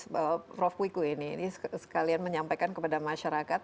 prof wiku ini sekalian menyampaikan kepada masyarakat